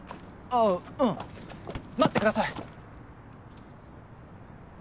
ああうん待ってください